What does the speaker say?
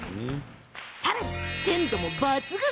さらに、鮮度も抜群。